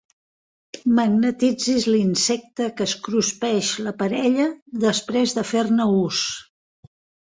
Magnetitzis l'insecte que es cruspeix la parella després de fer-ne ús.